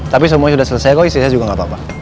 tapi semuanya sudah selesai kok istri saya juga gak apa apa